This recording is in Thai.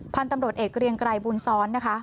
พันธุ์ตำรวจเอกเกรียงไกรบุญซ้อนนะคะ